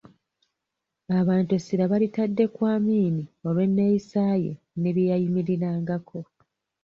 Abantu essira balitadde ku Amin olw'enneeyisa ye ne bye yayimirirangako.